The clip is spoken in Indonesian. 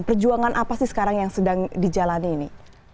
perjuangan apa sih sekarang yang sedang dijalani ini